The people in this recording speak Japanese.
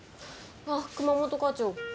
あ熊本課長。